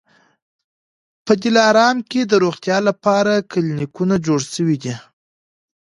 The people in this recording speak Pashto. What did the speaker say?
په دلارام کي د روغتیا لپاره کلینیکونه جوړ سوي دي